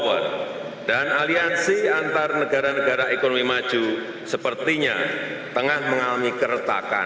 balance of power dan aliansi antar negara negara ekonomi maju sepertinya tengah mengalami keretakan